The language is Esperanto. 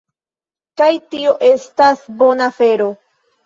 Kaj tio estas bona afero